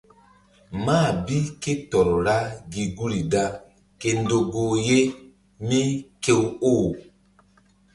Mah bi ké tɔr ra gi guri da ke ndo goh ye mí kew oh.